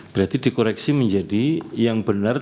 berarti dikoreksi menjadi yang benar